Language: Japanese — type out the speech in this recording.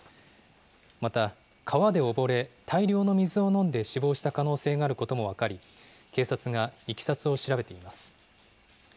また、川で溺れ、大量の水を飲んで死亡した可能性があることも分かり、警察がいきさつを調べています。